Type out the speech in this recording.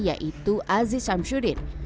yaitu aziz syamsuddin